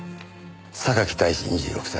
榊大志２６歳。